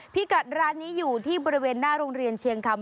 พี่กัดร้านนี้อยู่ที่บริเวณหน้าโรงเรียนเชียงคำ